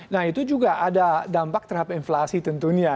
nah itu juga ada dampak terhadap inflasi tentunya